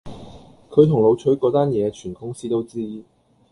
佢同老徐嗰單野全公司都知